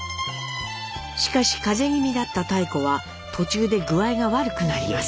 しかし風邪気味だった妙子は途中で具合が悪くなります。